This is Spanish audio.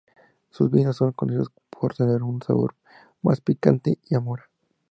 Sus vinos son conocidos por tener un sabor más picante y a mora.